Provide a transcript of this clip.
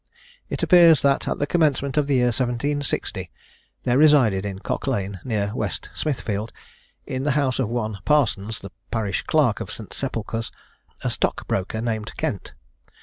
It appears that at the commencement of the year 1760, there resided in Cock Lane, near West Smithfield, in the house of one Parsons, the parish clerk of St. Sepulchre's, a stockbroker, named Kent.